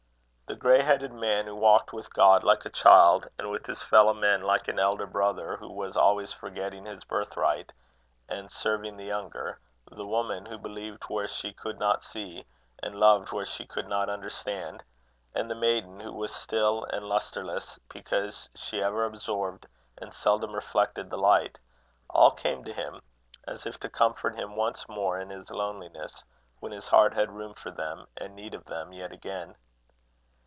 The grey headed man who walked with God like a child, and with his fellow men like an elder brother who was always forgetting his birthright and serving the younger; the woman who believed where she could not see, and loved where she could not understand; and the maiden who was still and lustreless, because she ever absorbed and seldom reflected the light all came to him, as if to comfort him once more in his loneliness, when his heart had room for them, and need of them yet again.